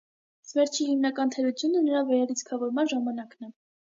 Սմերչի հիմնական թերությունը նրա վերալիցքավորման ժամանակն է։